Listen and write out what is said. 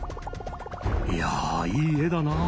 いやいい絵だなぁ。